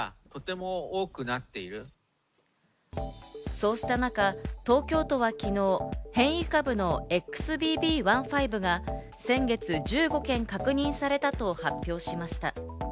そうした中、東京都は昨日、変異株のＸＢＢ．１．５が先月、１５件確認されたと発表しました。